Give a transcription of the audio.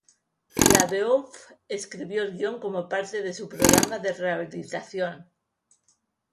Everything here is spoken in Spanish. LaBeouf escribió el guión como parte de su programa de rehabilitación.